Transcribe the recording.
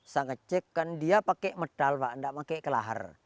saya ngecek kan dia pakai medal pak tidak pakai kelahar